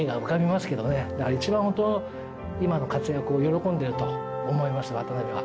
だから一番本当今の活躍を喜んでいると思います渡辺が。